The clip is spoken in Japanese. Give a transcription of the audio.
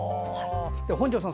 本庄さん